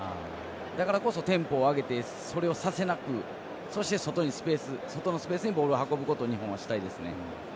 だからこそテンポを上げてそれをさせなくそして、外のスペースにボールを運ぶことを日本はしたいですね。